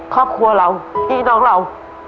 ครอบครัวเราพี่น้องเรา